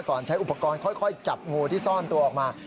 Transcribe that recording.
ใช้อุปกรณ์ค่อยจับงูที่ซ่อนตัวออกมา